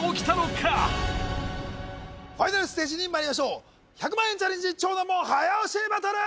ファイナルステージにまいりましょう１００万円チャレンジで超難問早押しバトル！